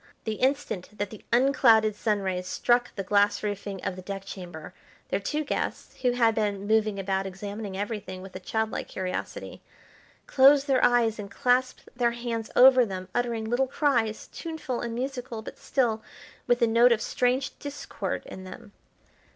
The instant that the unclouded sun rays struck the glass roofing of the deck chamber their two guests, who had been moving about examining everything with a childlike curiosity, closed their eyes and clasped their hands over them, uttering little cries, tuneful and musical, but still with a note of strange discord in them.